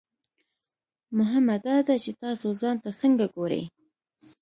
مهمه دا ده چې تاسو ځان ته څنګه ګورئ.